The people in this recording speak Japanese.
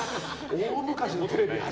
大昔のテレビ。